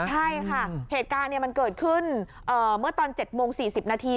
ใช่ค่ะเหตุการณ์มันเกิดขึ้นเมื่อตอน๗โมง๔๐นาที